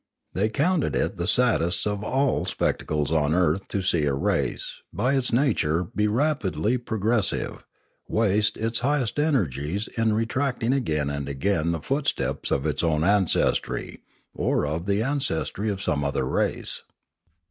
They counted it the saddest of all spectacles on earth to see a race, that by its nature could be rapidly pro gressive, waste its highest energies in retracing again and again the footsteps of its own ancestry or of the ancestry of some other race.